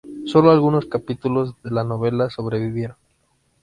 Solo algunos capítulos de la novela sobrevivieron.